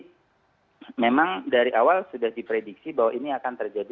jadi memang dari awal sudah diprediksi bahwa ini akan terjadi